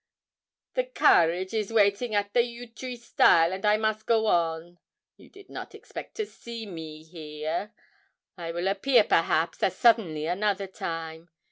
'The carriage is waiting at the yew tree stile, and I must go on. You did not expect to see me here; I will appear, perhaps, as suddenly another time.